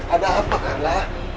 ada apa karla